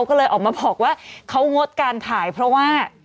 ก็เลยออกมาบอกว่าเขางดการถ่ายเพราะว่า